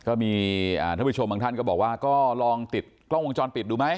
ก็มีท่านผู้ชมบางท่านก็บอกว่าก็ลองติดกล้องวงจรปิดดูไหม